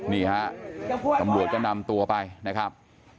นี่ฮะตำรวจก็นำตัวไปนะครับ